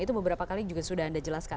itu beberapa kali juga sudah anda jelaskan